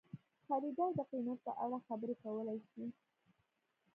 خریدار د قیمت په اړه خبرې کولی شي.